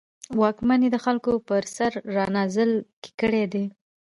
واکمنان یې د خلکو پر سر رانازل کړي دي.